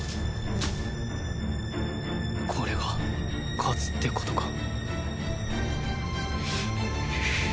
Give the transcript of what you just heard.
これが勝つって事か